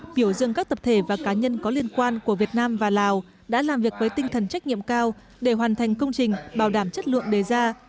biểu dương các tập thể và cá nhân có liên quan của việt nam và lào đã làm việc với tinh thần trách nhiệm cao để hoàn thành công trình bảo đảm chất lượng đề ra